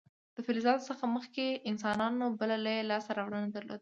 د فلزاتو څخه مخکې انسانانو بله لویه لاسته راوړنه درلوده.